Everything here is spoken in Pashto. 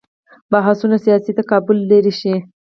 بحثونه سیاسي تقابل لرې شي.